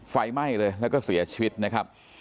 ไฟไหม้เลยแล้วก็เสียชีวิตนะครับ